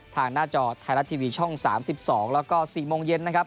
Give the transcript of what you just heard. หน้าจอไทยรัฐทีวีช่อง๓๒แล้วก็๔โมงเย็นนะครับ